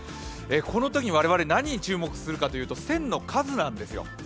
このときに我々は何に注目するかというと線の数なんですよ。